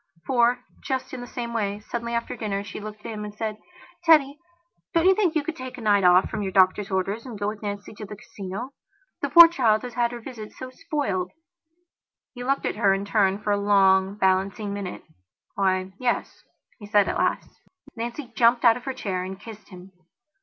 For, just in the same way, suddenly after dinner, she looked at him and said: "Teddy, don't you think you could take a night off from your doctor's orders and go with Nancy to the Casino. The poor child has had her visit so spoiled." He looked at her in turn for a long, balancing minute. "Why, yes," he said at last. Nancy jumped out of her chair and kissed him.